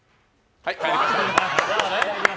はい、帰りました。